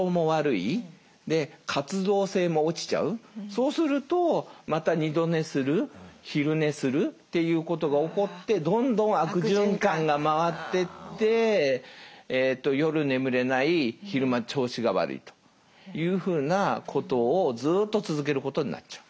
そうするとまた二度寝する昼寝するっていうことが起こってどんどん悪循環が回ってって夜眠れない昼間調子が悪いというふうなことをずっと続けることになっちゃう。